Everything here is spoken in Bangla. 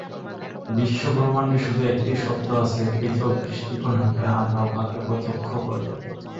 বিশ্বব্রহ্মাণ্ডে শুধু একটিই সত্য আছে, পৃথক দৃষ্টিকোণ হইতে আমরা উহাকে প্রত্যক্ষ করি।